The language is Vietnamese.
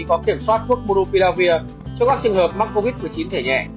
có kiểm soát thuốc muropilavir cho các trường hợp mắc covid một mươi chín thể nhẹ